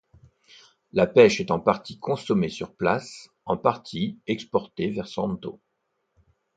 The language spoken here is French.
La pêche est en partie consommée sur place, en partie exportée vers Santo.